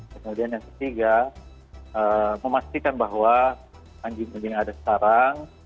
kemudian yang ketiga memastikan bahwa anjing anjing yang ada sekarang